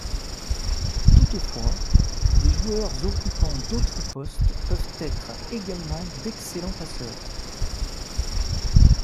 Toutefois, des joueurs occupant d'autres postes peuvent être également d'excellents passeurs.